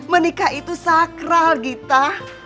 menikah itu sakral gita